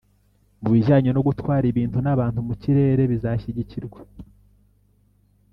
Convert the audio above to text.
mu bijyanye no gutwara ibintu n'abantu mu kirere bizashyigikirwa.